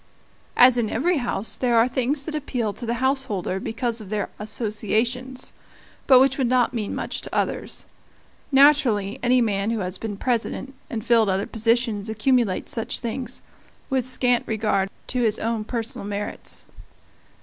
As in every house, there are things that appeal to the householder because of their associations, but which would not mean much to others. Naturally, any man who has been President, and filled other positions, accumulates such things, with scant regard to his own personal merits.